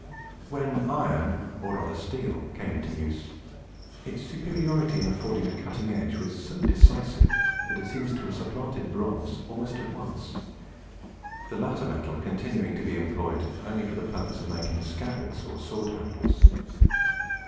When iron, or rather steel, came into use, its superiority in affording a cutting edge was so decisive that it seems to have supplanted bronze almost at once; the latter metal continuing to be employed only for the purpose of making scabbards or sword handles.